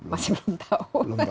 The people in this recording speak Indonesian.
masih belum tahu